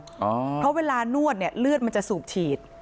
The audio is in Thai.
เพราะเวลานวดเนี่ยเลือดมันจะสูบฉีด